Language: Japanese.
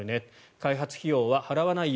開発費用は払わないよ